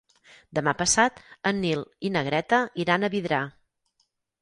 Demà passat en Nil i na Greta iran a Vidrà.